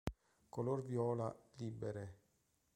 Color viola, libere.